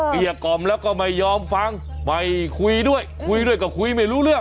เรียกกล่อมแล้วก็ไม่ยอมฟังไม่คุยด้วยคุยด้วยก็คุยไม่รู้เรื่อง